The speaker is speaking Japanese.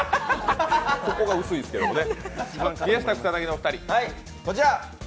ここが薄いですけどもね。